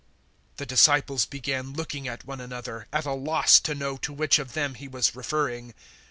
013:022 The disciples began looking at one another, at a loss to know to which of them He was referring.